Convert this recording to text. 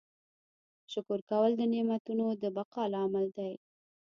شکر کول د نعمتونو د بقا لامل دی.